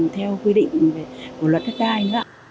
theo quy định của luật đất đai